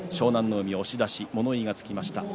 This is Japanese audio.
海と錦富士物言いがつきました。